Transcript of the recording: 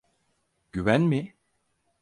Güven mi?